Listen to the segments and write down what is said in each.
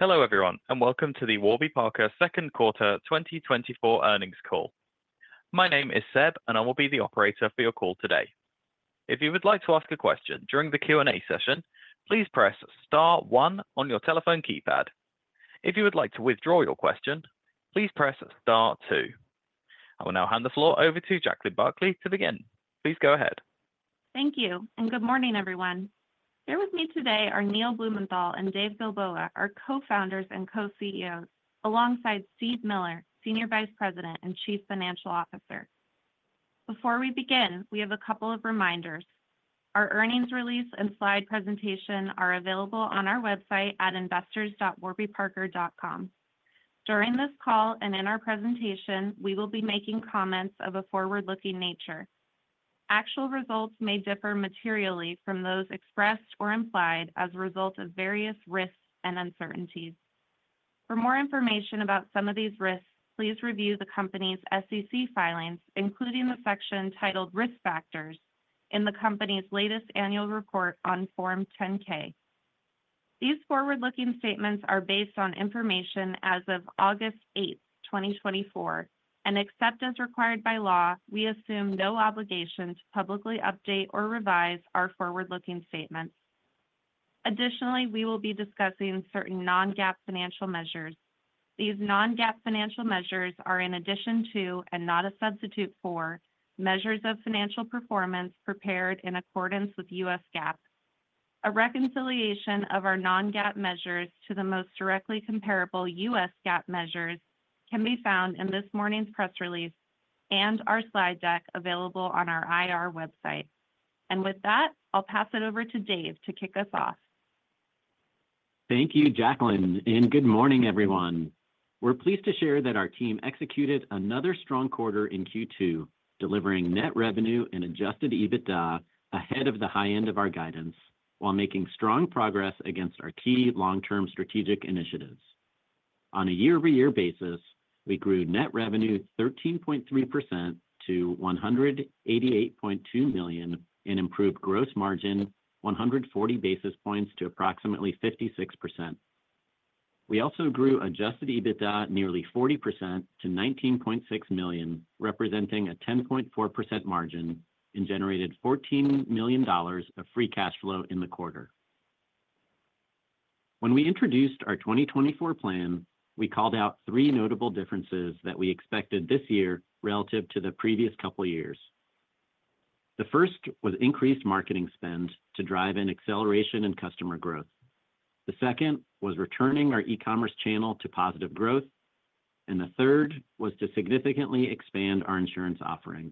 Hello everyone, and welcome to the Warby Parker Second Quarter 2024 earnings call. My name is Seb, and I will be the operator for your call today. If you would like to ask a question during the Q&A session, please press *1* on your telephone keypad. If you would like to withdraw your question, please press *2*. I will now hand the floor over to Jaclyn Berkley to begin. Please go ahead. Thank you, and good morning everyone. Here with me today are Neil Blumenthal and Dave Gilboa, our co-founders and co-CEOs, alongside Steve Miller, Senior Vice President and Chief Financial Officer. Before we begin, we have a couple of reminders. Our earnings release and slide presentation are available on our website at investors.warbyparker.com. During this call and in our presentation, we will be making comments of a forward-looking nature. Actual results may differ materially from those expressed or implied as a result of various risks and uncertainties. For more information about some of these risks, please review the company's SEC filings, including the section titled Risk Factors, in the company's latest annual report on Form 10-K. These forward-looking statements are based on information as of August 8, 2024, and except as required by law, we assume no obligation to publicly update or revise our forward-looking statements. Additionally, we will be discussing certain non-GAAP financial measures. These non-GAAP financial measures are, in addition to, and not a substitute for, measures of financial performance prepared in accordance with US GAAP. A reconciliation of our non-GAAP measures to the most directly comparable US GAAP measures can be found in this morning's press release and our slide deck available on our IR website. With that, I'll pass it over to Dave to kick us off. Thank you, Jaclyn, and good morning everyone. We're pleased to share that our team executed another strong quarter in Q2, delivering net revenue and adjusted EBITDA ahead of the high end of our guidance, while making strong progress against our key long-term strategic initiatives. On a year-over-year basis, we grew net revenue 13.3% to $188.2 million and improved gross margin 140 basis points to approximately 56%. We also grew adjusted EBITDA nearly 40% to $19.6 million, representing a 10.4% margin, and generated $14 million of free cash flow in the quarter. When we introduced our 2024 plan, we called out three notable differences that we expected this year relative to the previous couple of years. The first was increased marketing spend to drive an acceleration in customer growth. The second was returning our e-commerce channel to positive growth, and the third was to significantly expand our insurance offering.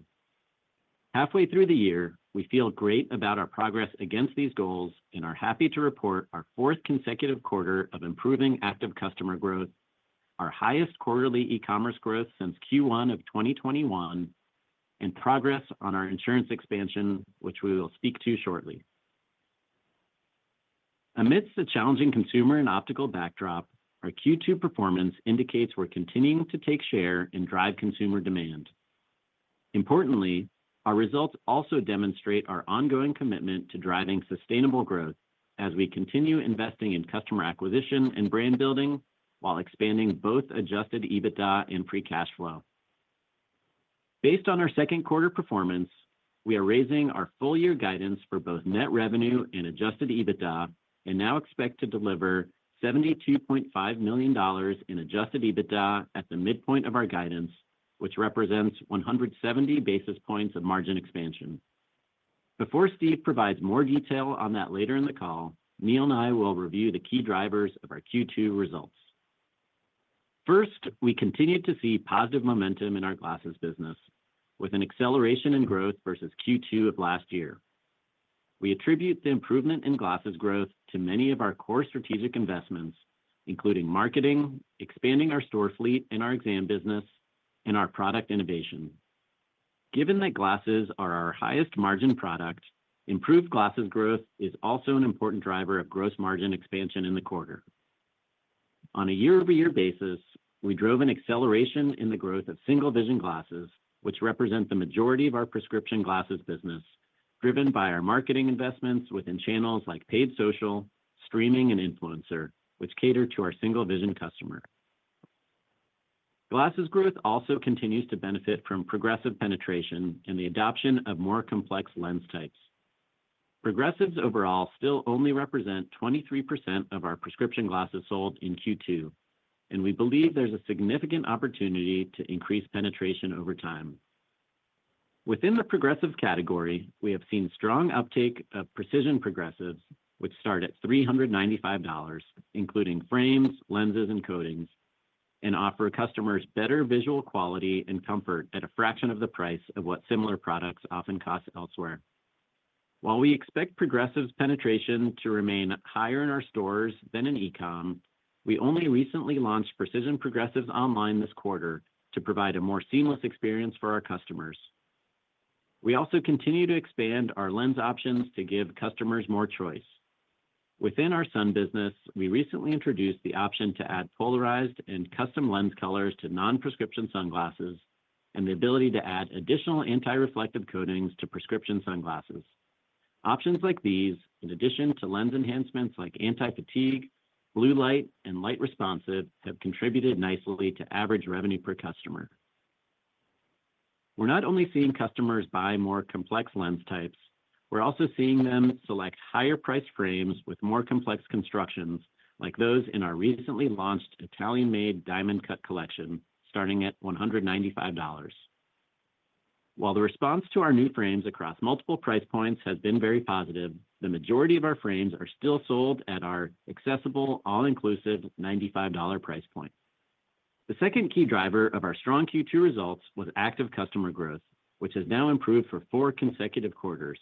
Halfway through the year, we feel great about our progress against these goals and are happy to report our fourth consecutive quarter of improving active customer growth, our highest quarterly e-commerce growth since Q1 of 2021, and progress on our insurance expansion, which we will speak to shortly. Amidst the challenging consumer and optical backdrop, our Q2 performance indicates we're continuing to take share and drive consumer demand. Importantly, our results also demonstrate our ongoing commitment to driving sustainable growth as we continue investing in customer acquisition and brand building while expanding both adjusted EBITDA and free cash flow. Based on our second quarter performance, we are raising our full-year guidance for both net revenue and adjusted EBITDA and now expect to deliver $72.5 million in adjusted EBITDA at the midpoint of our guidance, which represents 170 basis points of margin expansion. Before Steve provides more detail on that later in the call, Neil and I will review the key drivers of our Q2 results. First, we continue to see positive momentum in our glasses business, with an acceleration in growth versus Q2 of last year. We attribute the improvement in glasses growth to many of our core strategic investments, including marketing, expanding our store fleet and our exam business, and our product innovation. Given that glasses are our highest margin product, improved glasses growth is also an important driver of gross margin expansion in the quarter. On a year-over-year basis, we drove an acceleration in the growth of single-vision glasses, which represent the majority of our prescription glasses business, driven by our marketing investments within channels like paid social, streaming, and influencer, which cater to our single-vision customer. Glasses growth also continues to benefit from progressive penetration and the adoption of more complex lens types. Progressives overall still only represent 23% of our prescription glasses sold in Q2, and we believe there's a significant opportunity to increase penetration over time. Within the progressive category, we have seen strong uptake of Precision Progressives, which start at $395, including frames, lenses, and coatings, and offer customers better visual quality and comfort at a fraction of the price of what similar products often cost elsewhere. While we expect progressives penetration to remain higher in our stores than in e-com, we only recently launched Precision Progressives online this quarter to provide a more seamless experience for our customers. We also continue to expand our lens options to give customers more choice. Within our sunglass business, we recently introduced the option to add polarized and custom lens colors to non-prescription sunglasses and the ability to add additional anti-reflective coatings to prescription sunglasses. Options like these, in addition to lens enhancements like anti-fatigue, blue light, and light responsive, have contributed nicely to average revenue per customer. We're not only seeing customers buy more complex lens types, we're also seeing them select higher-priced frames with more complex constructions, like those in our recently launched Italian-made Diamond Cut Collection, starting at $195. While the response to our new frames across multiple price points has been very positive, the majority of our frames are still sold at our accessible, all-inclusive $95 price point. The second key driver of our strong Q2 results was active customer growth, which has now improved for four consecutive quarters.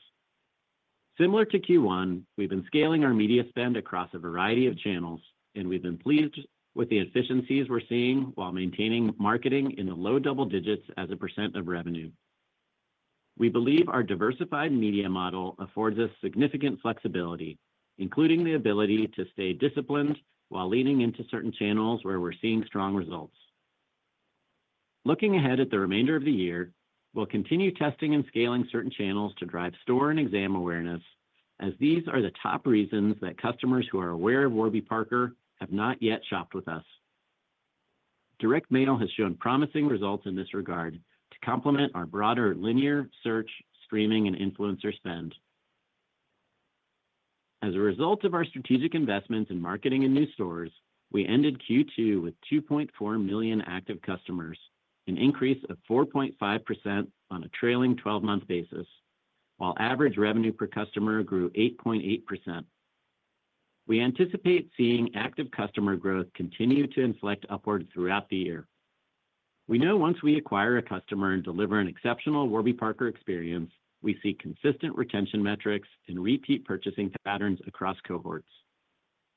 Similar to Q1, we've been scaling our media spend across a variety of channels, and we've been pleased with the efficiencies we're seeing while maintaining marketing in the low double digits as a % of revenue. We believe our diversified media model affords us significant flexibility, including the ability to stay disciplined while leaning into certain channels where we're seeing strong results. Looking ahead at the remainder of the year, we'll continue testing and scaling certain channels to drive store and exam awareness, as these are the top reasons that customers who are aware of Warby Parker have not yet shopped with us. Direct mail has shown promising results in this regard to complement our broader linear, search, streaming, and influencer spend. As a result of our strategic investments in marketing and new stores, we ended Q2 with 2.4 million active customers, an increase of 4.5% on a trailing 12-month basis, while average revenue per customer grew 8.8%. We anticipate seeing active customer growth continue to inflect upward throughout the year. We know once we acquire a customer and deliver an exceptional Warby Parker experience, we see consistent retention metrics and repeat purchasing patterns across cohorts.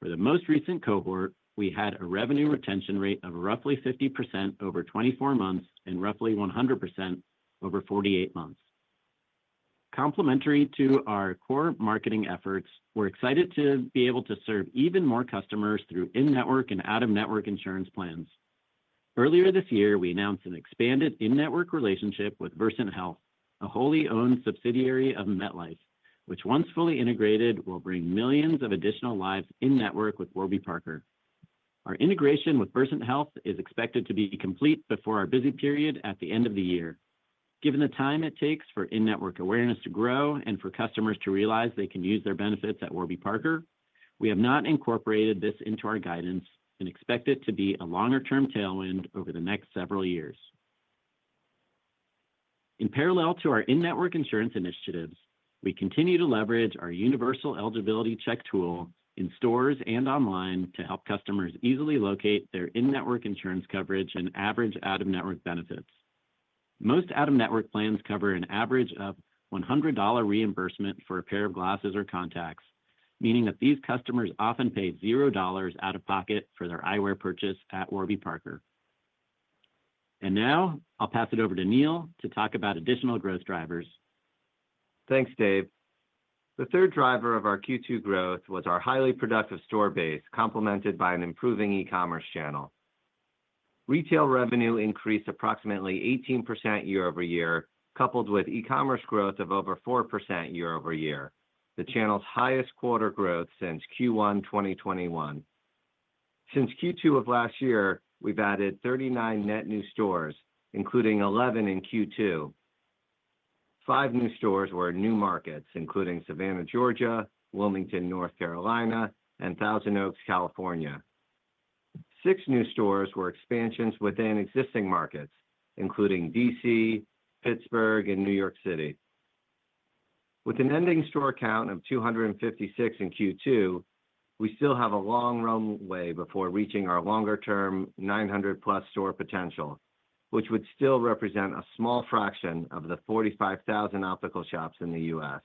For the most recent cohort, we had a revenue retention rate of roughly 50% over 24 months and roughly 100% over 48 months. Complementary to our core marketing efforts, we're excited to be able to serve even more customers through in-network and out-of-network insurance plans. Earlier this year, we announced an expanded in-network relationship with Versant Health, a wholly owned subsidiary of MetLife, which, once fully integrated, will bring millions of additional lives in-network with Warby Parker. Our integration with Versant Health is expected to be complete before our busy period at the end of the year. Given the time it takes for in-network awareness to grow and for customers to realize they can use their benefits at Warby Parker, we have not incorporated this into our guidance and expect it to be a longer-term tailwind over the next several years. In parallel to our in-network insurance initiatives, we continue to leverage our universal eligibility check tool in stores and online to help customers easily locate their in-network insurance coverage and average out-of-network benefits. Most out-of-network plans cover an average of $100 reimbursement for a pair of glasses or contacts, meaning that these customers often pay $0 out of pocket for their eyewear purchase at Warby Parker. Now I'll pass it over to Neil to talk about additional growth drivers. Thanks, Dave. The third driver of our Q2 growth was our highly productive store base, complemented by an improving e-commerce channel. Retail revenue increased approximately 18% year-over-year, coupled with e-commerce growth of over 4% year-over-year, the channel's highest quarter growth since Q1 2021. Since Q2 of last year, we've added 39 net new stores, including 11 in Q2. 5 new stores were new markets, including Savannah, Georgia, Wilmington, North Carolina, and Thousand Oaks, California. 6 new stores were expansions within existing markets, including D.C., Pittsburgh, and New York City. With an ending store count of 256 in Q2, we still have a long runway before reaching our longer-term 900+ store potential, which would still represent a small fraction of the 45,000 optical shops in the U.S.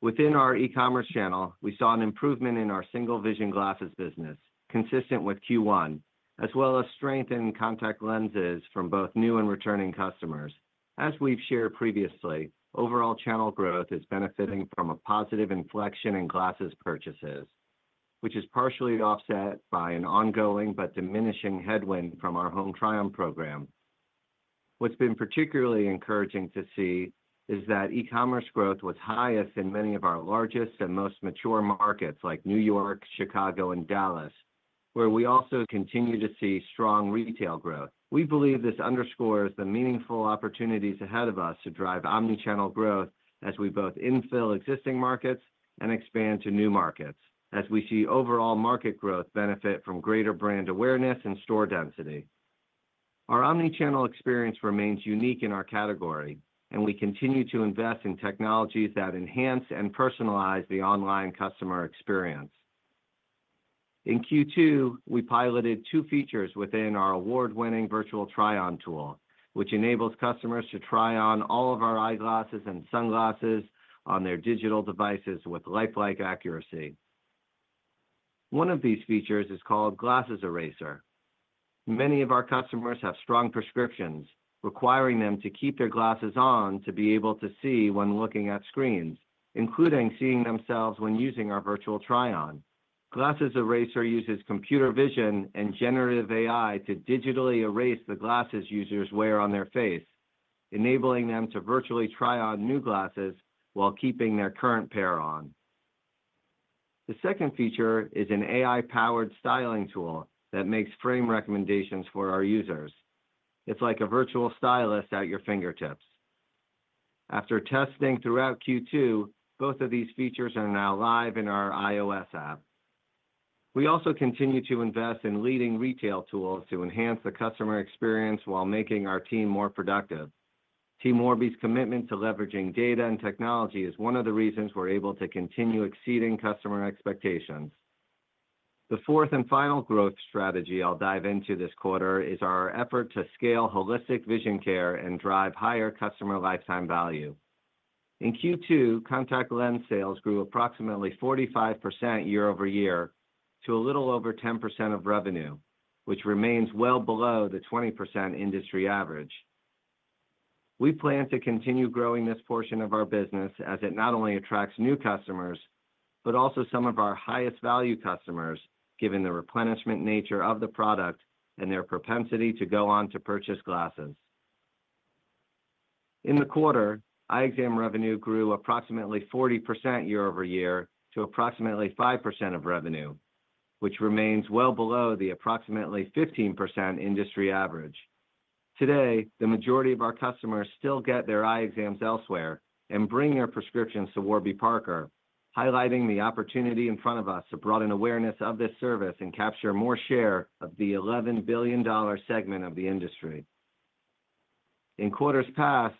Within our e-commerce channel, we saw an improvement in our single-vision glasses business, consistent with Q1, as well as strengthened contact lenses from both new and returning customers. As we've shared previously, overall channel growth is benefiting from a positive inflection in glasses purchases, which is partially offset by an ongoing but diminishing headwind from our Home Try-On program. What's been particularly encouraging to see is that e-commerce growth was highest in many of our largest and most mature markets like New York, Chicago, and Dallas, where we also continue to see strong retail growth. We believe this underscores the meaningful opportunities ahead of us to drive omnichannel growth as we both infill existing markets and expand to new markets, as we see overall market growth benefit from greater brand awareness and store density. Our omnichannel experience remains unique in our category, and we continue to invest in technologies that enhance and personalize the online customer experience. In Q2, we piloted two features within our award-winning Virtual Try-On tool, which enables customers to try on all of our eyeglasses and sunglasses on their digital devices with lifelike accuracy. One of these features is called Glasses Eraser. Many of our customers have strong prescriptions, requiring them to keep their glasses on to be able to see when looking at screens, including seeing themselves when using our Virtual Try-On. Glasses Eraser uses computer vision and generative AI to digitally erase the glasses users wear on their face, enabling them to virtually try on new glasses while keeping their current pair on. The second feature is an AI-powered styling tool that makes frame recommendations for our users. It's like a virtual stylist at your fingertips. After testing throughout Q2, both of these features are now live in our iOS app. We also continue to invest in leading retail tools to enhance the customer experience while making our team more productive. Team Warby's commitment to leveraging data and technology is one of the reasons we're able to continue exceeding customer expectations. The fourth and final growth strategy I'll dive into this quarter is our effort to scale holistic vision care and drive higher customer lifetime value. In Q2, contact lens sales grew approximately 45% year-over-year to a little over 10% of revenue, which remains well below the 20% industry average. We plan to continue growing this portion of our business as it not only attracts new customers but also some of our highest-value customers, given the replenishment nature of the product and their propensity to go on to purchase glasses. In the quarter, eye exam revenue grew approximately 40% year-over-year to approximately 5% of revenue, which remains well below the approximately 15% industry average. Today, the majority of our customers still get their eye exams elsewhere and bring their prescriptions to Warby Parker, highlighting the opportunity in front of us to broaden awareness of this service and capture more share of the $11 billion segment of the industry. In quarters past,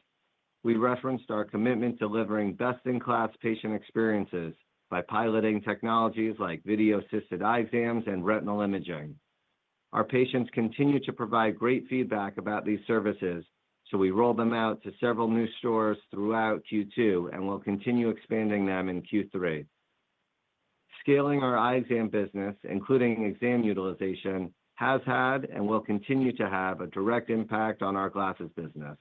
we referenced our commitment to delivering best-in-class patient experiences by piloting technologies like video-assisted eye exams and retinal imaging. Our patients continue to provide great feedback about these services, so we rolled them out to several new stores throughout Q2 and will continue expanding them in Q3. Scaling our eye exam business, including exam utilization, has had and will continue to have a direct impact on our glasses business.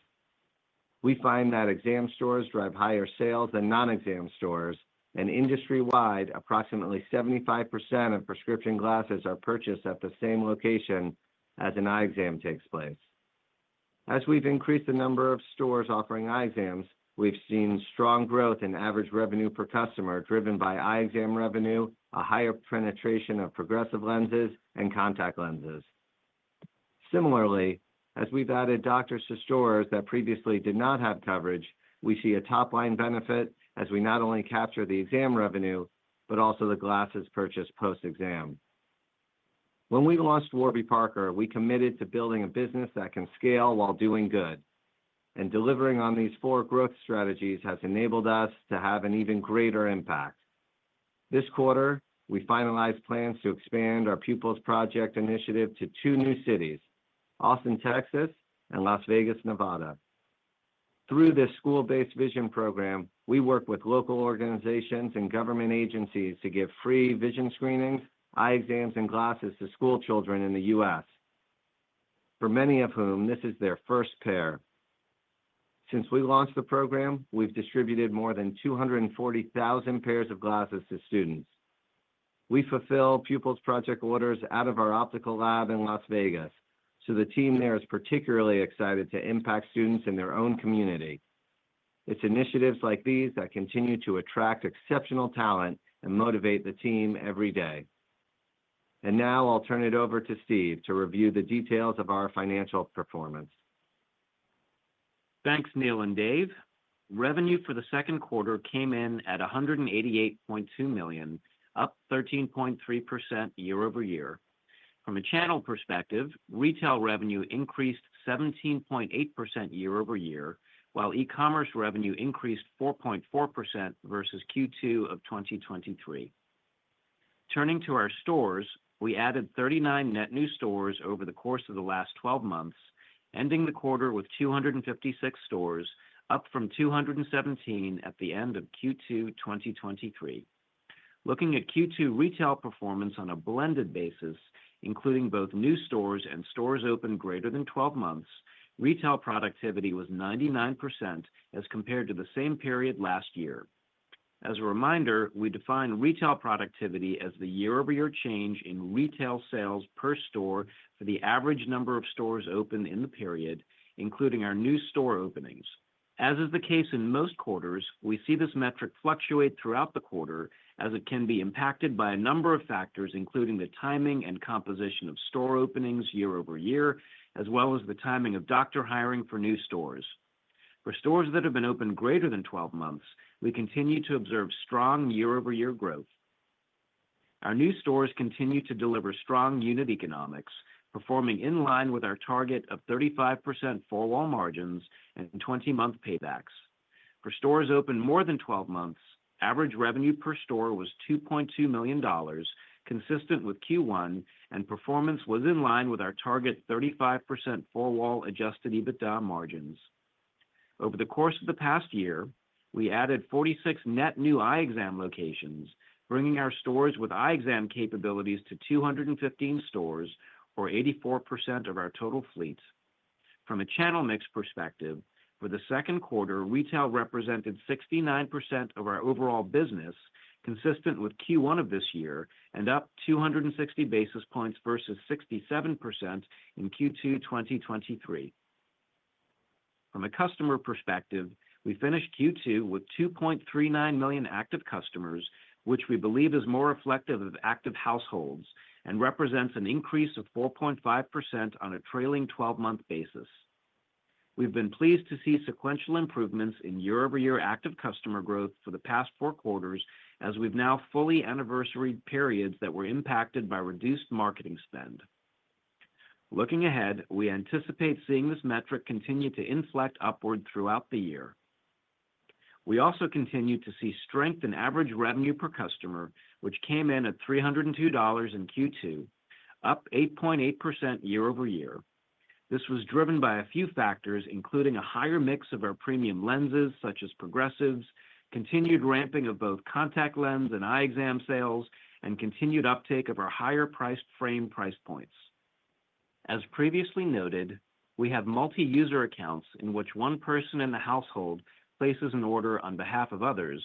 We find that exam stores drive higher sales than non-exam stores, and industry-wide, approximately 75% of prescription glasses are purchased at the same location as an eye exam takes place. As we've increased the number of stores offering eye exams, we've seen strong growth in average revenue per customer driven by eye exam revenue, a higher penetration of progressive lenses, and contact lenses. Similarly, as we've added doctors to stores that previously did not have coverage, we see a top-line benefit as we not only capture the exam revenue but also the glasses purchased post-exam. When we launched Warby Parker, we committed to building a business that can scale while doing good, and delivering on these four growth strategies has enabled us to have an even greater impact. This quarter, we finalized plans to expand our Pupils Project initiative to two new cities, Austin, Texas, and Las Vegas, Nevada. Through this school-based vision program, we work with local organizations and government agencies to give free vision screenings, eye exams, and glasses to school children in the U.S., for many of whom this is their first pair. Since we launched the program, we've distributed more than 240,000 pairs of glasses to students. We fulfill Pupils Project orders out of our optical lab in Las Vegas, so the team there is particularly excited to impact students in their own community. It's initiatives like these that continue to attract exceptional talent and motivate the team every day. Now I'll turn it over to Steve to review the details of our financial performance. Thanks, Neil and Dave. Revenue for the second quarter came in at $188.2 million, up 13.3% year-over-year. From a channel perspective, retail revenue increased 17.8% year-over-year, while e-commerce revenue increased 4.4% versus Q2 of 2023. Turning to our stores, we added 39 net new stores over the course of the last 12 months, ending the quarter with 256 stores, up from 217 at the end of Q2 2023. Looking at Q2 retail performance on a blended basis, including both new stores and stores open greater than 12 months, retail productivity was 99% as compared to the same period last year. As a reminder, we define retail productivity as the year-over-year change in retail sales per store for the average number of stores opened in the period, including our new store openings. As is the case in most quarters, we see this metric fluctuate throughout the quarter as it can be impacted by a number of factors, including the timing and composition of store openings year-over-year, as well as the timing of doctor hiring for new stores. For stores that have been opened greater than 12 months, we continue to observe strong year-over-year growth. Our new stores continue to deliver strong unit economics, performing in line with our target of 35% four-wall margins and 20-month paybacks. For stores opened more than 12 months, average revenue per store was $2.2 million, consistent with Q1, and performance was in line with our target 35% four-wall Adjusted EBITDA margins. Over the course of the past year, we added 46 net new eye exam locations, bringing our stores with eye exam capabilities to 215 stores or 84% of our total fleet. From a channel mix perspective, for the second quarter, retail represented 69% of our overall business, consistent with Q1 of this year and up 260 basis points versus 67% in Q2 2023. From a customer perspective, we finished Q2 with 2.39 million active customers, which we believe is more reflective of active households and represents an increase of 4.5% on a trailing 12-month basis. We've been pleased to see sequential improvements in year-over-year active customer growth for the past four quarters, as we've now fully anniversaried periods that were impacted by reduced marketing spend. Looking ahead, we anticipate seeing this metric continue to inflect upward throughout the year. We also continue to see strength in average revenue per customer, which came in at $302 in Q2, up 8.8% year-over-year. This was driven by a few factors, including a higher mix of our premium lenses, such as progressives, continued ramping of both contact lens and eye exam sales, and continued uptake of our higher-priced frame price points. As previously noted, we have multi-user accounts in which one person in the household places an order on behalf of others.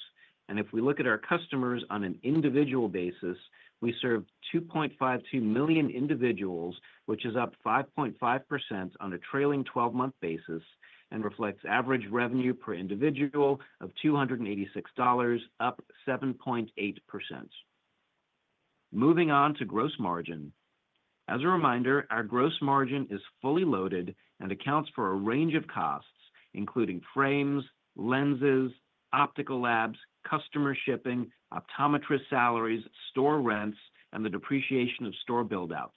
And if we look at our customers on an individual basis, we serve 2.52 million individuals, which is up 5.5% on a trailing 12-month basis and reflects average revenue per individual of $286, up 7.8%. Moving on to gross margin. As a reminder, our gross margin is fully loaded and accounts for a range of costs, including frames, lenses, optical labs, customer shipping, optometrist salaries, store rents, and the depreciation of store buildouts.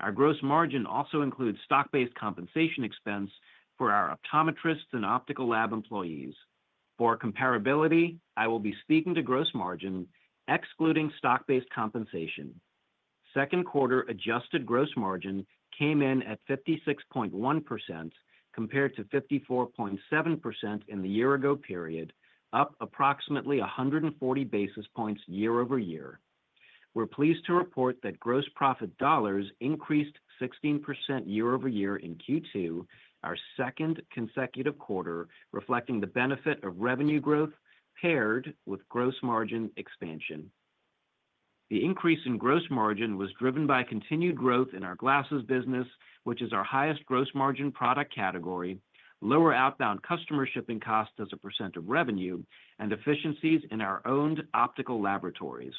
Our gross margin also includes stock-based compensation expense for our optometrists and optical lab employees. For comparability, I will be speaking to gross margin, excluding stock-based compensation. Second quarter adjusted gross margin came in at 56.1% compared to 54.7% in the year-ago period, up approximately 140 basis points year-over-year. We're pleased to report that gross profit dollars increased 16% year-over-year in Q2, our second consecutive quarter, reflecting the benefit of revenue growth paired with gross margin expansion. The increase in gross margin was driven by continued growth in our glasses business, which is our highest gross margin product category, lower outbound customer shipping costs as a percent of revenue, and efficiencies in our owned optical laboratories.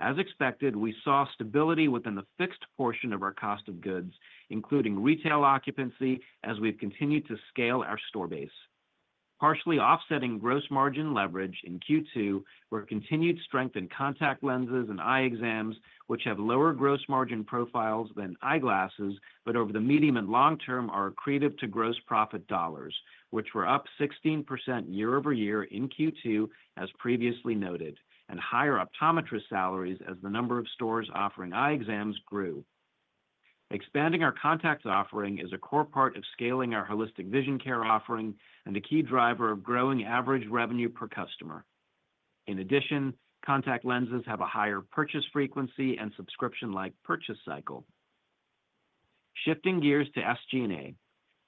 As expected, we saw stability within the fixed portion of our cost of goods, including retail occupancy, as we've continued to scale our store base. Partially offsetting gross margin leverage in Q2 were continued strength in contact lenses and eye exams, which have lower gross margin profiles than eyeglasses, but over the medium and long term are accretive to gross profit dollars, which were up 16% year-over-year in Q2, as previously noted, and higher optometrist salaries as the number of stores offering eye exams grew. Expanding our contact offering is a core part of scaling our holistic vision care offering and a key driver of growing average revenue per customer. In addition, contact lenses have a higher purchase frequency and subscription-like purchase cycle. Shifting gears to SG&A.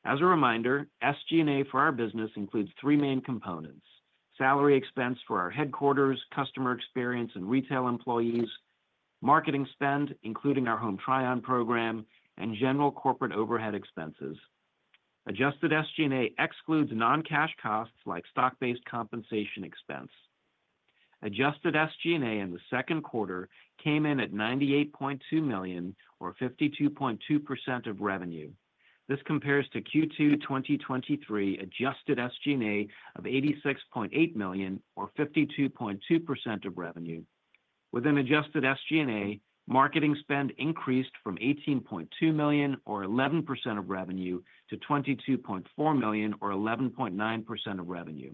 As a reminder, SG&A for our business includes three main components: salary expense for our headquarters, customer experience and retail employees, marketing spend, including our home try-on program, and general corporate overhead expenses. Adjusted SG&A excludes non-cash costs like stock-based compensation expense. Adjusted SG&A in the second quarter came in at $98.2 million, or 52.2% of revenue. This compares to Q2 2023 adjusted SG&A of $86.8 million, or 52.2% of revenue. Within adjusted SG&A, marketing spend increased from $18.2 million, or 11% of revenue, to $22.4 million, or 11.9% of revenue.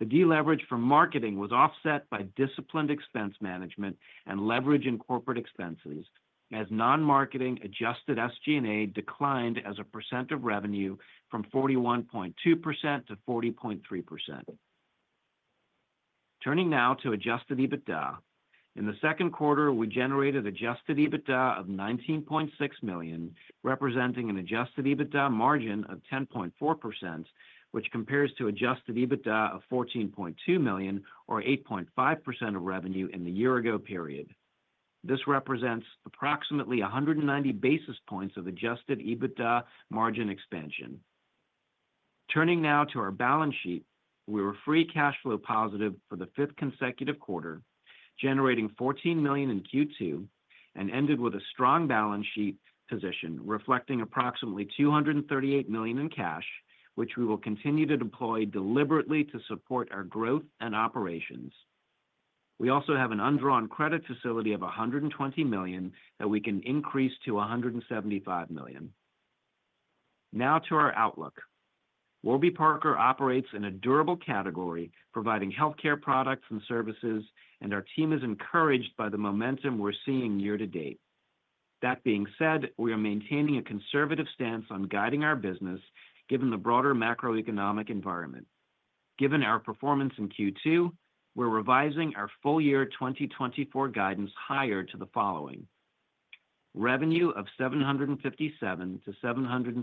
The deleverage from marketing was offset by disciplined expense management and leverage in corporate expenses, as non-marketing adjusted SG&A declined as a percent of revenue from 41.2% to 40.3%. Turning now to adjusted EBITDA. In the second quarter, we generated adjusted EBITDA of $19.6 million, representing an adjusted EBITDA margin of 10.4%, which compares to adjusted EBITDA of $14.2 million, or 8.5% of revenue in the year-ago period. This represents approximately 190 basis points of adjusted EBITDA margin expansion. Turning now to our balance sheet, we were free cash flow positive for the fifth consecutive quarter, generating $14 million in Q2, and ended with a strong balance sheet position reflecting approximately $238 million in cash, which we will continue to deploy deliberately to support our growth and operations. We also have an undrawn credit facility of $120 million that we can increase to $175 million. Now to our outlook. Warby Parker operates in a durable category, providing healthcare products and services, and our team is encouraged by the momentum we're seeing year to date. That being said, we are maintaining a conservative stance on guiding our business given the broader macroeconomic environment. Given our performance in Q2, we're revising our full year 2024 guidance higher to the following: revenue of $757 million-$762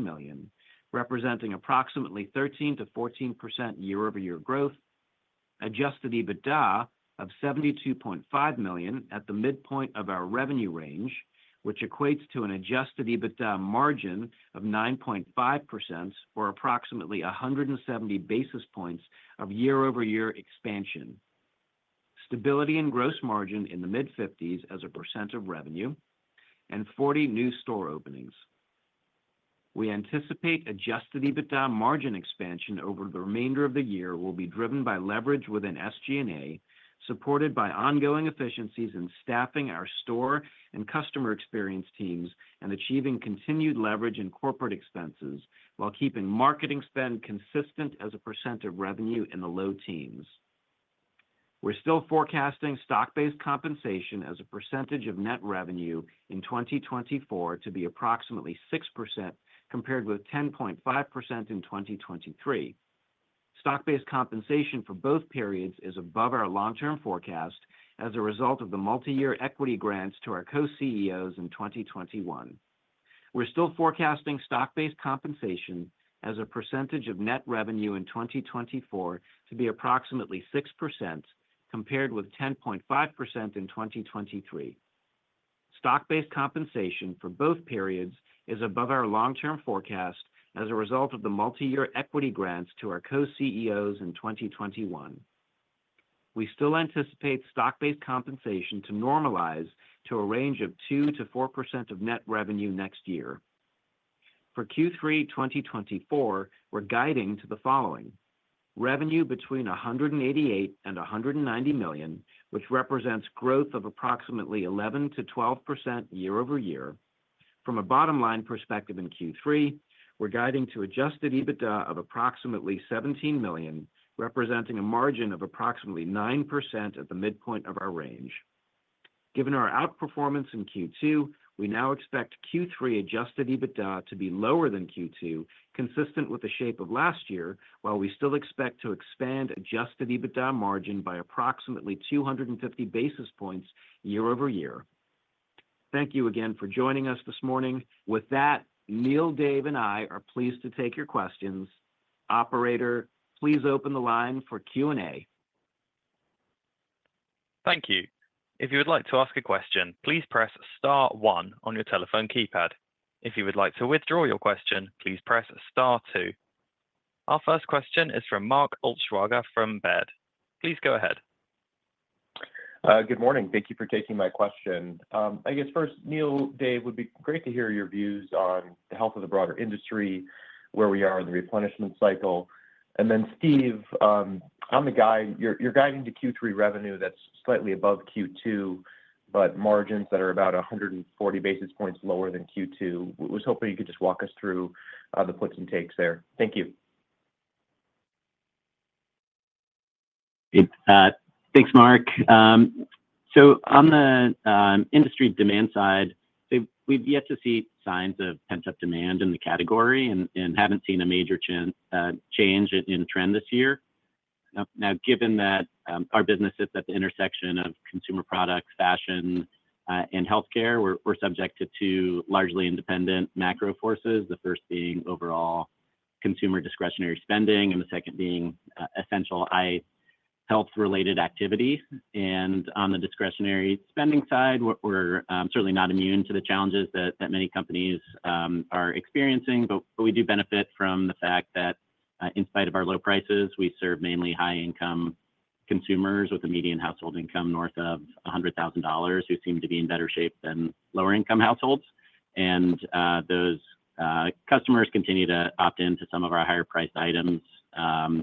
million, representing approximately 13%-14% year-over-year growth. Adjusted EBITDA of $72.5 million at the midpoint of our revenue range, which equates to an adjusted EBITDA margin of 9.5%, or approximately 170 basis points of year-over-year expansion. Stability in gross margin in the mid-50s as a percent of revenue. And 40 new store openings. We anticipate adjusted EBITDA margin expansion over the remainder of the year will be driven by leverage within SG&A, supported by ongoing efficiencies in staffing our store and customer experience teams and achieving continued leverage in corporate expenses while keeping marketing spend consistent as a percent of revenue in the low teens. We're still forecasting stock-based compensation as a percentage of net revenue in 2024 to be approximately 6%, compared with 10.5% in 2023. Stock-based compensation for both periods is above our long-term forecast as a result of the multi-year equity grants to our Co-CEOs in 2021. We're still forecasting stock-based compensation as a percentage of net revenue in 2024 to be approximately 6%, compared with 10.5% in 2023. Stock-based compensation for both periods is above our long-term forecast as a result of the multi-year equity grants to our Co-CEOs in 2021. We still anticipate stock-based compensation to normalize to a range of 2%-4% of net revenue next year. For Q3 2024, we're guiding to the following: revenue between $188 million and $190 million, which represents growth of approximately 11%-12% year-over-year. From a bottom-line perspective in Q3, we're guiding to Adjusted EBITDA of approximately $17 million, representing a margin of approximately 9% at the midpoint of our range. Given our outperformance in Q2, we now expect Q3 adjusted EBITDA to be lower than Q2, consistent with the shape of last year, while we still expect to expand adjusted EBITDA margin by approximately 250 basis points year-over-year. Thank you again for joining us this morning. With that, Neil, Dave, and I are pleased to take your questions. Operator, please open the line for Q&A. Thank you. If you would like to ask a question, please press Star 1 on your telephone keypad. If you would like to withdraw your question, please press Star 2. Our first question is from Mark Altschwager from Baird. Please go ahead. Good morning. Thank you for taking my question. I guess first, Neil, Dave, it would be great to hear your views on the health of the broader industry, where we are in the replenishment cycle. Then, Steve, on the guide, you're guiding to Q3 revenue that's slightly above Q2, but margins that are about 140 basis points lower than Q2. I was hoping you could just walk us through the puts and takes there. Thank you. Thanks, Mark. So, on the industry demand side, we've yet to see signs of pent-up demand in the category and haven't seen a major change in trend this year. Now, given that our business is at the intersection of consumer products, fashion, and healthcare, we're subjected to two largely independent macro forces, the first being overall consumer discretionary spending and the second being essential health-related activity. On the discretionary spending side, we're certainly not immune to the challenges that many companies are experiencing, but we do benefit from the fact that in spite of our low prices, we serve mainly high-income consumers with a median household income north of $100,000 who seem to be in better shape than lower-income households. Those customers continue to opt into some of our higher-priced items,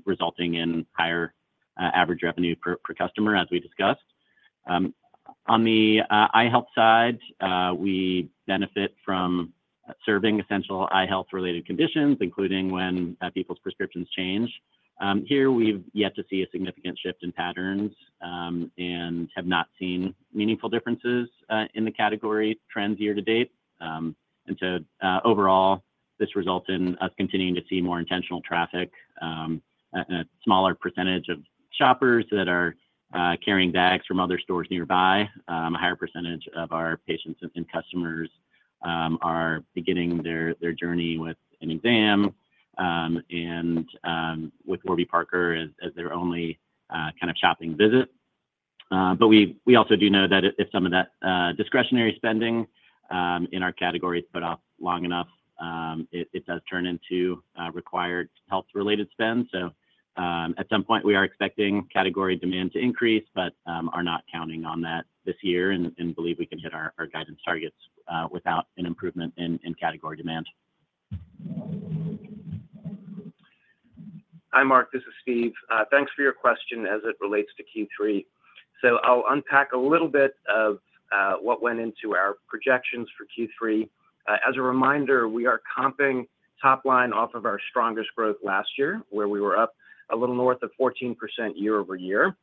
resulting in higher average revenue per customer, as we discussed. On the eye health side, we benefit from serving essential eye health-related conditions, including when people's prescriptions change. Here, we've yet to see a significant shift in patterns and have not seen meaningful differences in the category trends year to date. And so, overall, this results in us continuing to see more intentional traffic, a smaller percentage of shoppers that are carrying bags from other stores nearby, a higher percentage of our patients and customers are beginning their journey with an exam and with Warby Parker as their only kind of shopping visit. But we also do know that if some of that discretionary spending in our category is put off long enough, it does turn into required health-related spend. So, at some point, we are expecting category demand to increase but are not counting on that this year and believe we can hit our guidance targets without an improvement in category demand. Hi, Mark. This is Steve. Thanks for your question as it relates to Q3. So, I'll unpack a little bit of what went into our projections for Q3. As a reminder, we are comping top line off of our strongest growth last year, where we were up a little north of 14% year-over-year.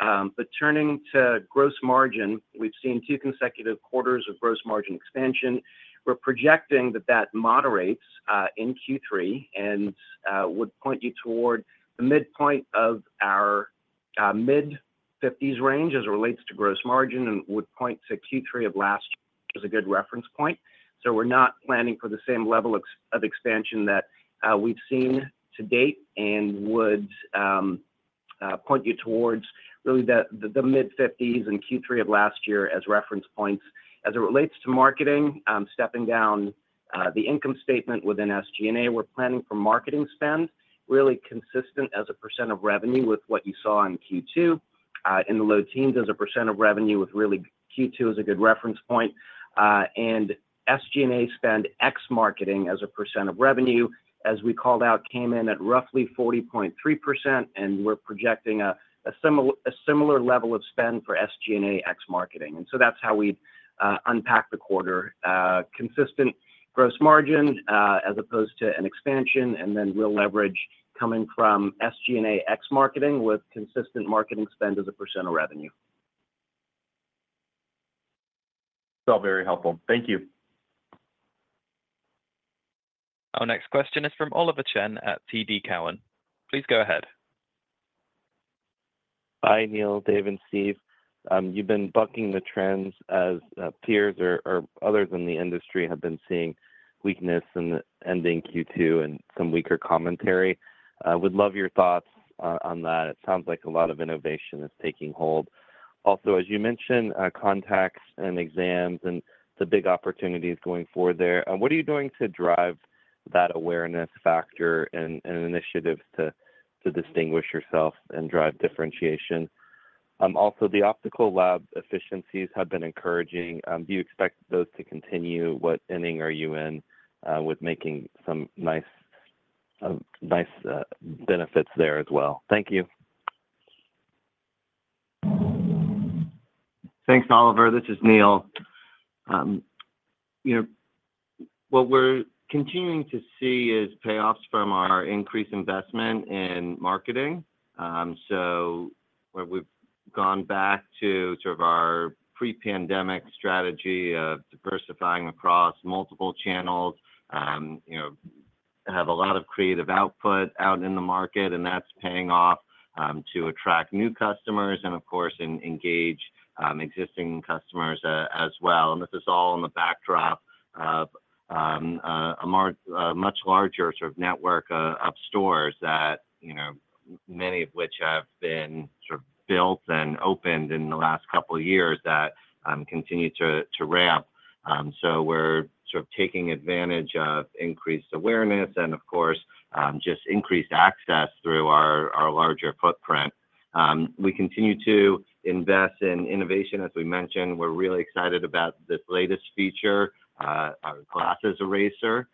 But turning to gross margin, we've seen two consecutive quarters of gross margin expansion. We're projecting that that moderates in Q3 and would point you toward the midpoint of our mid-50s range as it relates to gross margin and would point to Q3 of last is a good reference point. So, we're not planning for the same level of expansion that we've seen to date and would point you towards really the mid-50s and Q3 of last year as reference points. As it relates to marketing, stepping down the income statement within SG&A, we're planning for marketing spend really consistent as a percent of revenue with what you saw in Q2. In the low teens, as a percent of revenue, with really Q2 as a good reference point. SG&A spend ex-marketing as a percent of revenue, as we called out, came in at roughly 40.3%, and we're projecting a similar level of spend for SG&A ex-marketing. So, that's how we'd unpack the quarter: consistent gross margin as opposed to an expansion, and then real leverage coming from SG&A ex-marketing with consistent marketing spend as a percent of revenue. That's all very helpful. Thank you. Our next question is from Oliver Chen at TD Cowen. Please go ahead. Hi, Neil, Dave, and Steve. You've been bucking the trends as peers or others in the industry have been seeing weakness and ending Q2 and some weaker commentary. We'd love your thoughts on that. It sounds like a lot of innovation is taking hold. Also, as you mentioned, contacts and exams and the big opportunities going forward there. What are you doing to drive that awareness factor and initiatives to distinguish yourself and drive differentiation? Also, the optical lab efficiencies have been encouraging. Do you expect those to continue? What inning are you in with making some nice benefits there as well? Thank you. Thanks, Oliver. This is Neil. What we're continuing to see is payoffs from our increased investment in marketing. So, we've gone back to sort of our pre-pandemic strategy of diversifying across multiple channels, have a lot of creative output out in the market, and that's paying off to attract new customers and, of course, engage existing customers as well. And this is all in the backdrop of a much larger sort of network of stores that many of which have been sort of built and opened in the last couple of years that continue to ramp. So, we're sort of taking advantage of increased awareness and, of course, just increased access through our larger footprint. We continue to invest in innovation, as we mentioned. We're really excited about this latest feature, our Glasses Eraser,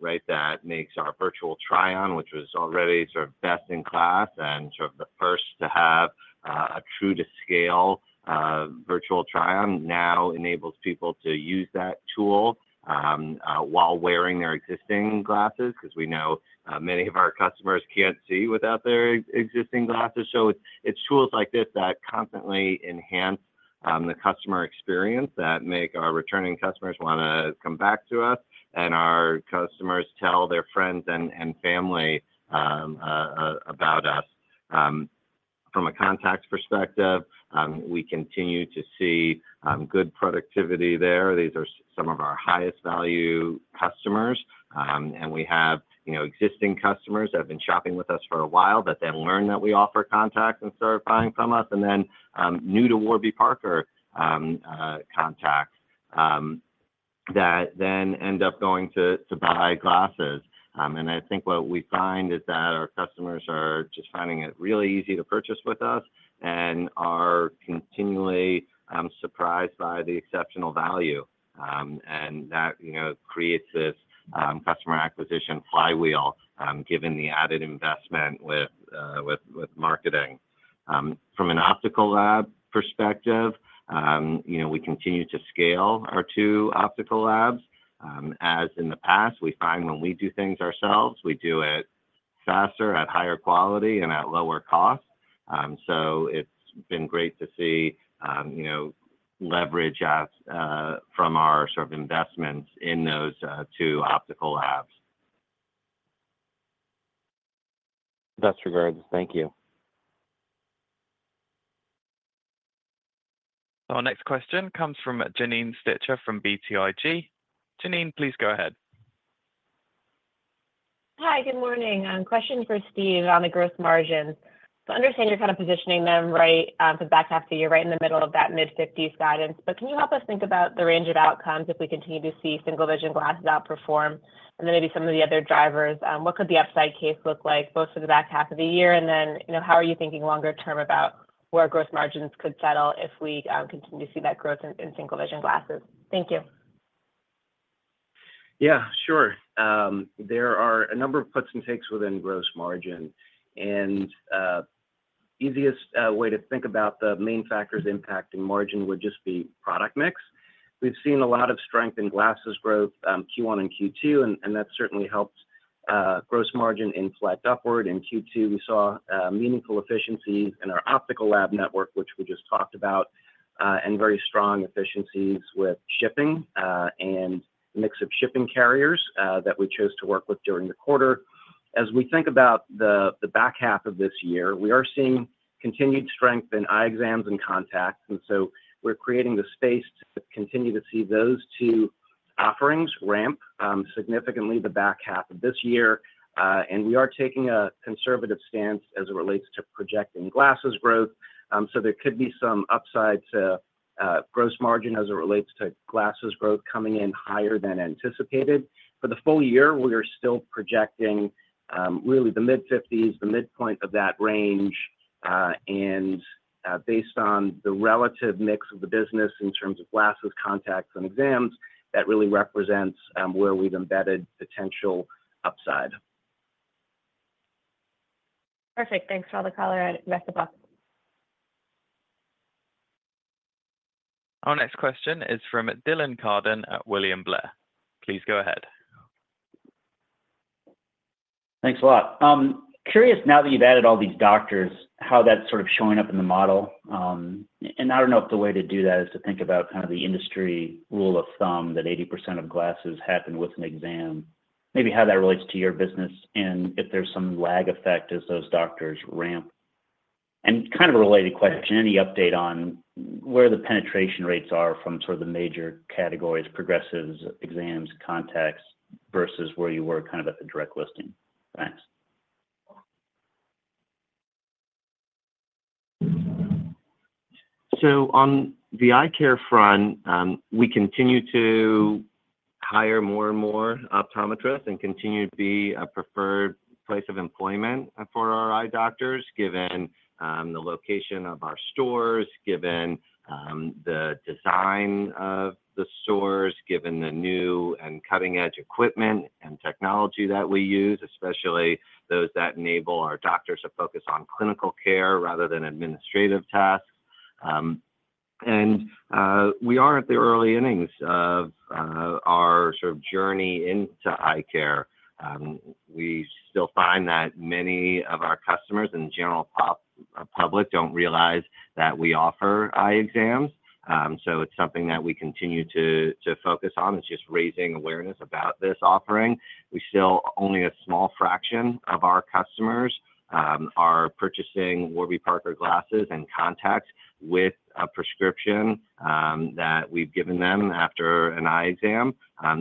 right, that makes our Virtual Try-On, which was already sort of best in class and sort of the first to have a true-to-scale Virtual Try-On, now enables people to use that tool while wearing their existing glasses because we know many of our customers can't see without their existing glasses. It's tools like this that constantly enhance the customer experience that make our returning customers want to come back to us, and our customers tell their friends and family about us. From a contact perspective, we continue to see good productivity there. These are some of our highest-value customers, and we have existing customers that have been shopping with us for a while that then learn that we offer contacts and start buying from us, and then new to Warby Parker contacts that then end up going to buy glasses. I think what we find is that our customers are just finding it really easy to purchase with us and are continually surprised by the exceptional value. That creates this customer acquisition flywheel given the added investment with marketing. From an optical lab perspective, we continue to scale our two optical labs. As in the past, we find when we do things ourselves, we do it faster, at higher quality, and at lower cost. So, it's been great to see leverage from our sort of investments in those two optical labs. Best regards. Thank you. Our next question comes from Janine Stichter from BTIG. Janine, please go ahead. Hi, good morning. Question for Steve on the gross margins. So, I understand you're kind of positioning them right for the back half of the year, right in the middle of that mid-50s guidance. But can you help us think about the range of outcomes if we continue to see single-vision glasses outperform and then maybe some of the other drivers? What could the upside case look like both for the back half of the year? And then how are you thinking longer term about where gross margins could settle if we continue to see that growth in single-vision glasses? Thank you. Yeah, sure. There are a number of puts and takes within gross margin. And the easiest way to think about the main factors impacting margin would just be product mix. We've seen a lot of strength in glasses growth Q1 and Q2, and that's certainly helped gross margin inflect upward. In Q2, we saw meaningful efficiencies in our optical lab network, which we just talked about, and very strong efficiencies with shipping and a mix of shipping carriers that we chose to work with during the quarter. As we think about the back half of this year, we are seeing continued strength in eye exams and contacts. And so, we're creating the space to continue to see those two offerings ramp significantly the back half of this year. And we are taking a conservative stance as it relates to projecting glasses growth. So, there could be some upside to gross margin as it relates to glasses growth coming in higher than anticipated. For the full year, we are still projecting really the mid-50s, the midpoint of that range. And based on the relative mix of the business in terms of glasses, contacts, and exams, that really represents where we've embedded potential upside. Perfect. Thanks to the caller. Best of luck. Our next question is from Dylan Carden at William Blair. Please go ahead. Thanks a lot. Curious, now that you've added all these doctors, how that's sort of showing up in the model. I don't know if the way to do that is to think about kind of the industry rule of thumb that 80% of glasses happen with an exam, maybe how that relates to your business and if there's some lag effect as those doctors ramp. And kind of a related question, any update on where the penetration rates are from sort of the major categories, progressives, exams, contacts versus where you were kind of at the direct listing? Thanks. On the eye care front, we continue to hire more and more optometrists and continue to be a preferred place of employment for our eye doctors, given the location of our stores, given the design of the stores, given the new and cutting-edge equipment and technology that we use, especially those that enable our doctors to focus on clinical care rather than administrative tasks. We are at the early innings of our sort of journey into eye care. We still find that many of our customers and general public don't realize that we offer eye exams. So, it's something that we continue to focus on. It's just raising awareness about this offering. We still only have a small fraction of our customers who are purchasing Warby Parker glasses and contacts with a prescription that we've given them after an eye exam.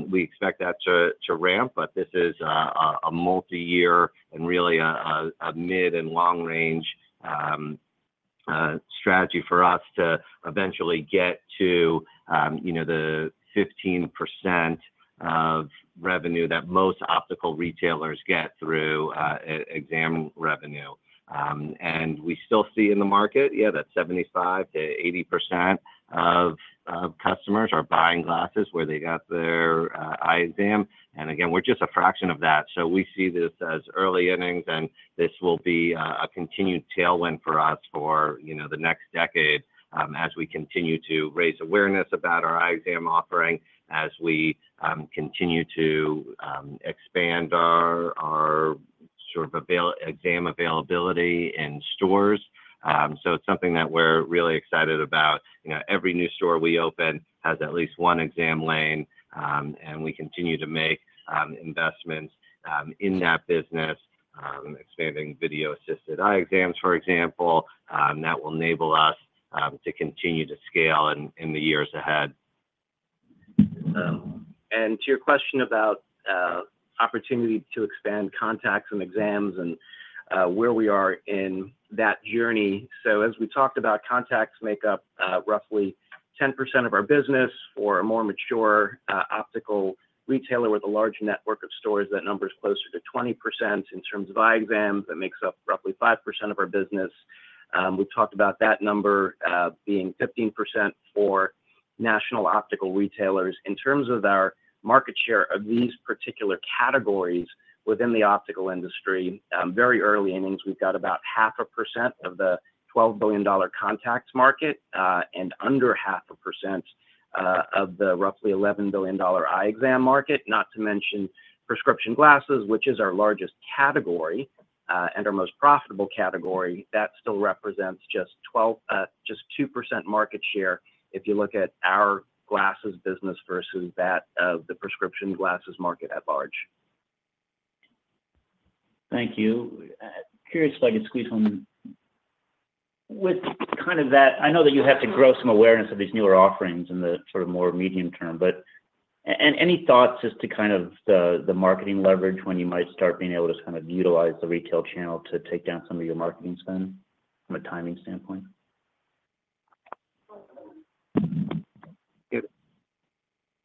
We expect that to ramp, but this is a multi-year and really a mid and long-range strategy for us to eventually get to the 15% of revenue that most optical retailers get through exam revenue. We still see in the market, yeah, that 75%-80% of customers are buying glasses where they got their eye exam. And again, we're just a fraction of that. So, we see this as early innings, and this will be a continued tailwind for us for the next decade as we continue to raise awareness about our eye exam offering as we continue to expand our sort of exam availability in stores. So, it's something that we're really excited about. Every new store we open has at least one exam lane, and we continue to make investments in that business, expanding video-assisted eye exams, for example. That will enable us to continue to scale in the years ahead. And to your question about opportunity to expand contacts and exams and where we are in that journey. So, as we talked about, contacts make up roughly 10% of our business. For a more mature optical retailer with a large network of stores, that number is closer to 20% in terms of eye exams. That makes up roughly 5% of our business. We talked about that number being 15% for national optical retailers. In terms of our market share of these particular categories within the optical industry, very early innings, we've got about 0.5% of the $12 billion contacts market and under 0.5% of the roughly $11 billion eye exam market. Not to mention prescription glasses, which is our largest category and our most profitable category. That still represents just 2% market share if you look at our glasses business versus that of the prescription glasses market at large. Thank you. Curious if I could squeeze on with kind of that. I know that you have to grow some awareness of these newer offerings in the sort of more medium term, but any thoughts as to kind of the marketing leverage when you might start being able to kind of utilize the retail channel to take down some of your marketing spend from a timing standpoint?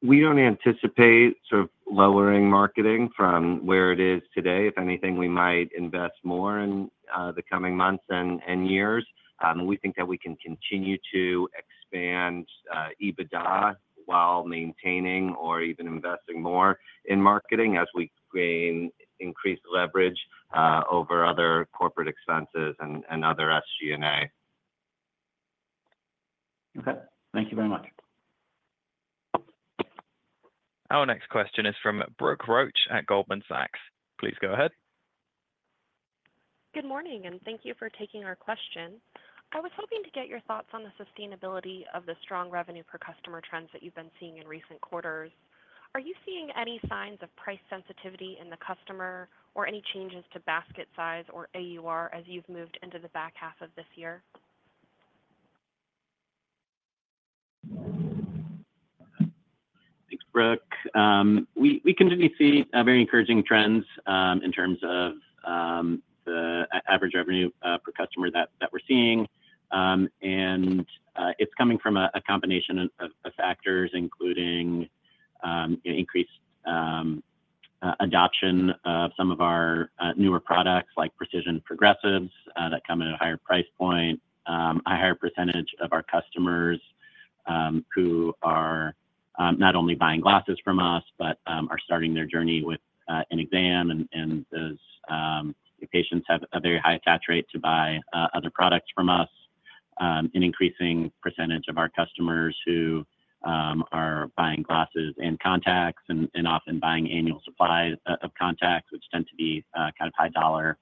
We don't anticipate sort of lowering marketing from where it is today. If anything, we might invest more in the coming months and years. We think that we can continue to expand EBITDA while maintaining or even investing more in marketing as we gain increased leverage over other corporate expenses and other SG&A. Okay. Thank you very much. Our next question is from Brooke Roach at Goldman Sachs. Please go ahead. Good morning and thank you for taking our question. I was hoping to get your thoughts on the sustainability of the strong revenue per customer trends that you've been seeing in recent quarters. Are you seeing any signs of price sensitivity in the customer or any changes to basket size or AUR as you've moved into the back half of this year? Thanks, Brooke. We continue to see very encouraging trends in terms of the average revenue per customer that we're seeing. And it's coming from a combination of factors, including increased adoption of some of our newer products like Precision Progressives that come at a higher price point, a higher percentage of our customers who are not only buying glasses from us but are starting their journey with an exam. And those patients have a very high attach rate to buy other products from us, an increasing percentage of our customers who are buying glasses and contacts and often buying annual supplies of contacts, which tend to be kind of high-dollar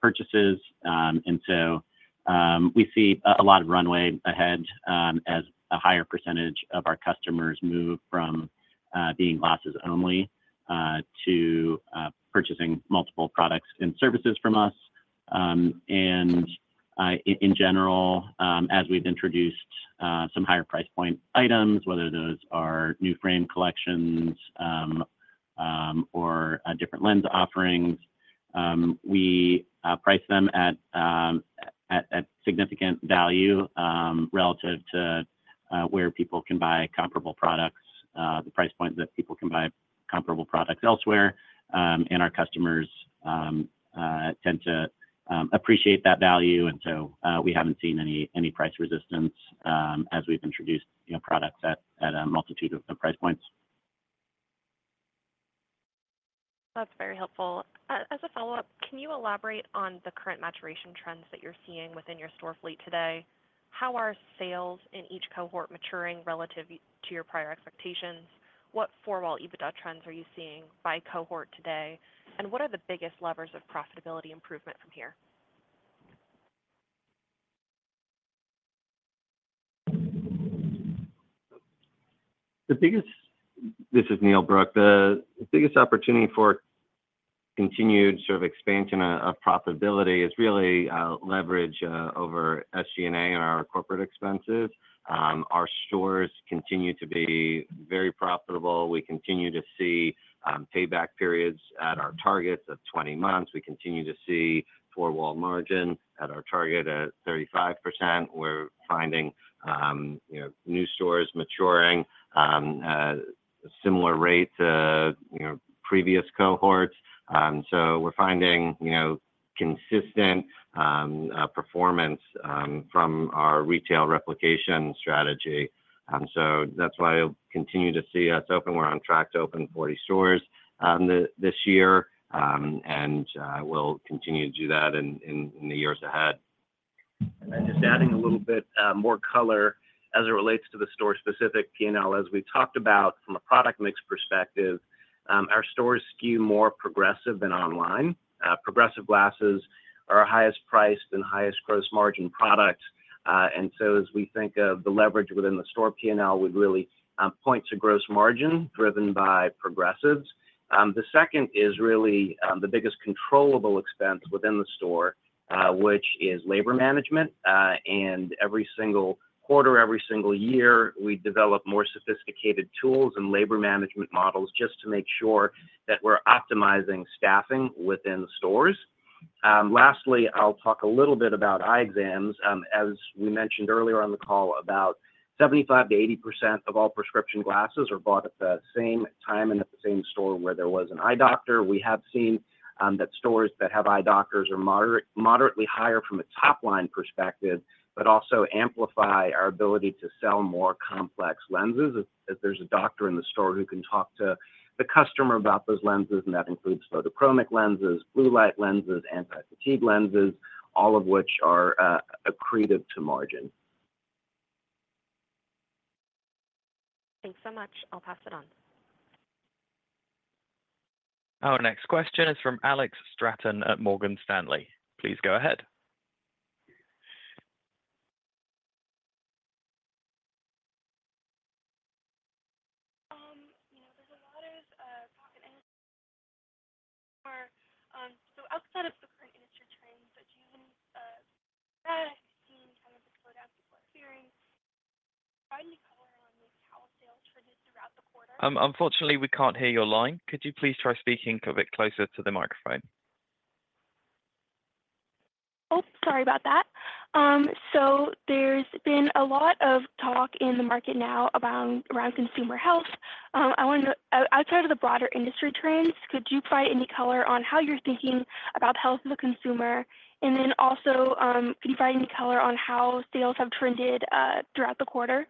purchases. And so, we see a lot of runways ahead as a higher percentage of our customers move from being glasses only to purchasing multiple products and services from us. And in general, as we've introduced some higher price point items, whether those are new frame collections or different lens offerings, we price them at significant value relative to where people can buy comparable products, the price point that people can buy comparable products elsewhere. And our customers tend to appreciate that value. And so, we haven't seen any price resistance as we've introduced products at a multitude of price points. That's very helpful. As a follow-up, can you elaborate on the current maturation trends that you're seeing within your store fleet today? How are sales in each cohort maturing relative to your prior expectations? What four-wall EBITDA trends are you seeing by cohort today? And what are the biggest levers of profitability improvement from here? This is Neil Brooke. The biggest opportunity for continued sort of expansion of profitability is really leverage over SG&A and our corporate expenses. Our stores continue to be very profitable. We continue to see payback periods at our targets of 20 months. We continue to see four-wall margin at our target at 35%. We're finding new stores maturing at a similar rate to previous cohorts. So, we're finding consistent performance from our retail replication strategy. So, that's why we'll continue to see us open. We're on track to open 40 stores this year, and we'll continue to do that in the years ahead. Just adding a little bit more color as it relates to the store-specific P&L. As we talked about from a product mix perspective, our stores skew more progressive than online. Progressive glasses are our highest-priced and highest-gross margin products. As we think of the leverage within the store P&L, we really point to gross margin driven by progressives. The second is really the biggest controllable expense within the store, which is labor management. Every single quarter, every single year, we develop more sophisticated tools and labor management models just to make sure that we're optimizing staffing within the stores. Lastly, I'll talk a little bit about eye exams. As we mentioned earlier on the call, about 75%-80% of all prescription glasses are bought at the same time and at the same store where there was an eye doctor. We have seen that stores that have eye doctors are moderately higher from a topline perspective but also amplify our ability to sell more complex lenses if there's a doctor in the store who can talk to the customer about those lenses. And that includes photochromic lenses, blue light lenses, anti-fatigue lenses, all of which are accretive to margin. Thanks so much. I'll pass it on. Our next question is from Alex Straton at Morgan Stanley. Please go ahead. There's a lot of current industry trends. So, outside of the current industry trends, do you see kind of the slowdown before appearing. Finally, color on how sales trended throughout the quarter. Unfortunately, we can't hear your line. Could you please try speaking a bit closer to the microphone? Oh, sorry about that. So, there's been a lot of talk in the market now around consumer health. Outside of the broader industry trends, could you provide any color on how you're thinking about the health of the consumer? And then also, could you provide any color on how sales have trended throughout the quarter?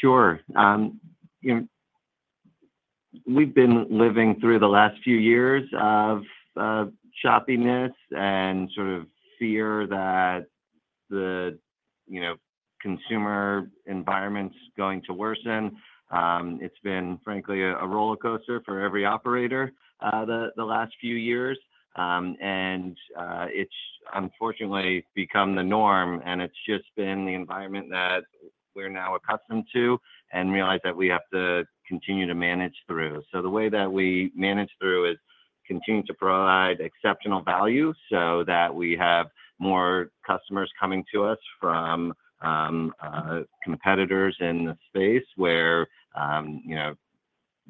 Sure. We've been living through the last few years of choppiness and sort of fear that the consumer environment's going to worsen. It's been, frankly, a roller coaster for every operator the last few years. And it's unfortunately become the norm, and it's just been the environment that we're now accustomed to and realize that we have to continue to manage through. The way that we manage through is continue to provide exceptional value so that we have more customers coming to us from competitors in the space where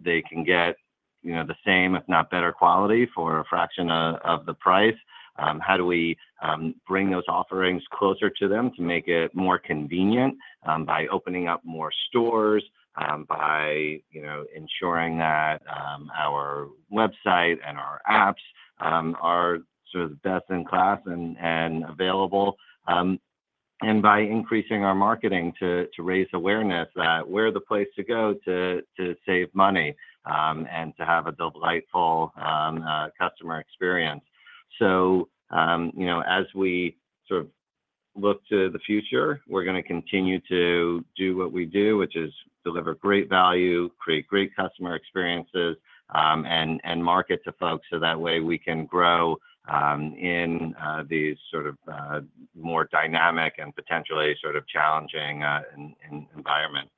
they can get the same, if not better quality, for a fraction of the price. How do we bring those offerings closer to them to make it more convenient by opening up more stores, by ensuring that our website and our apps are sort of best in class and available, and by increasing our marketing to raise awareness that we're the place to go to save money and to have a delightful customer experience. So, as we sort of look to the future, we're going to continue to do what we do, which is deliver great value, create great customer experiences, and market to folks so that way we can grow in this sort of more dynamic and potentially sort of challenging environments.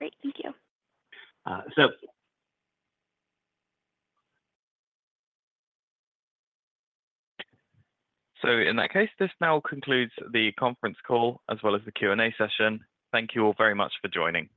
Great. Thank you. So, in that case, this now concludes the conference call as well as the Q&A session. Thank you all very much for joining.